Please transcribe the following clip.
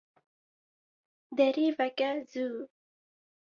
Derî veke zû.